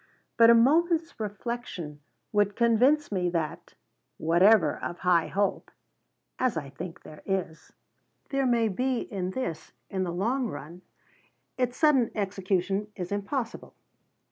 But a moment's reflection would convince me that, whatever of high hope (as I think there is) there may be in this in the long run, its sudden execution is impossible.